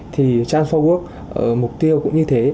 thì trans bốn work mục tiêu cũng như thế